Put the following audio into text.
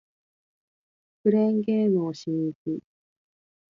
クレーンゲームをしに行く